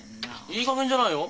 いいかげんじゃないよ。